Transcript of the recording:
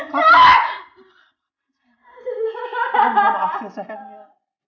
pak saya bawa baju jessica ke dalam ya